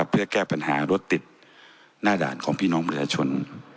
เพื่อแก้ปัญหารถติดหน้าด่านของพี่น้องประชาชน